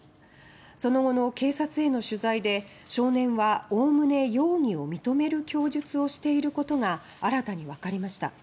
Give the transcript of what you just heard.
その後の警察への取材で少年はおおむね容疑を認める供述をしていることが新たにわかりました。